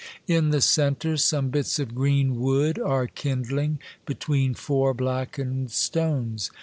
In the centre some bits of green wood are kindling, be tween four blackened stones.